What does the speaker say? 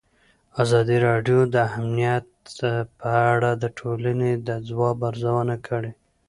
ازادي راډیو د امنیت په اړه د ټولنې د ځواب ارزونه کړې.